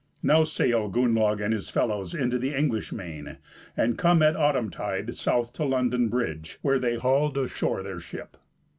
Now sail Gunnlaug and his fellows into the English main, and come at autumntide south to London Bridge, where they hauled ashore their ship.